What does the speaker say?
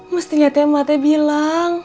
mestinya temate bilang